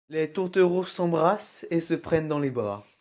Les tourtereaux s'embrassent et se prennent dans les bras.